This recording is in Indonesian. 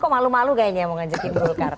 malu malu kayaknya mau ngajakin bulkar